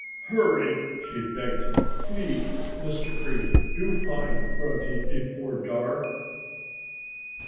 "Hurry!" she begged him. "Please, Mr. Green, do find Grunty before dark!"